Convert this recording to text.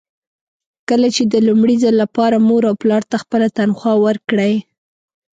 کله چې د لومړي ځل لپاره مور او پلار ته خپله تنخوا ورکړئ.